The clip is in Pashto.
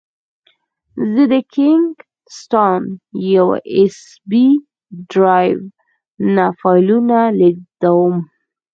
زه د کینګ سټان یو ایس بي ډرایو نه فایلونه لېږدوم.